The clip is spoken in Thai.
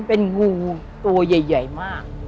เป็นงูตัวใหญ่มาก